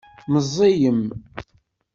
Meẓẓiyem?